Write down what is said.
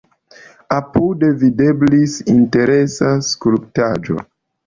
Apude videblis interesa skulptaĵo.